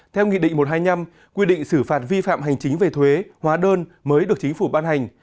theo nghị định một trăm hai mươi năm quy định xử phạt vi phạm hành chính về thuế hóa đơn mới được chính phủ ban hành